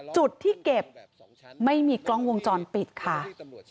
จุดที่เก็บไม่มีกล้องวงจรปิดค่ะ